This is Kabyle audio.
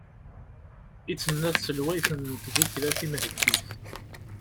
i d-tenna tselwayt n tddukkla timheggit